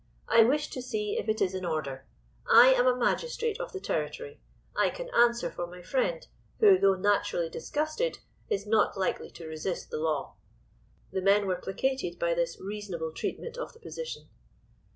"I wish to see if it is in order. I am a magistrate of the territory. I can answer for my friend, who, though naturally disgusted, is not likely to resist the law." The men were placated by this reasonable treatment of the position.